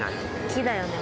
木だよね